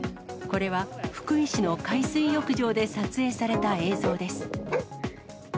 これは、福井市の海水浴場で撮影された映像です。